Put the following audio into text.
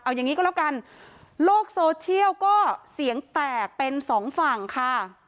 เอาอย่างนี้ก็แล้วกันโลกโซเชียลก็เสียงแตกเป็นสองฝั่งค่ะ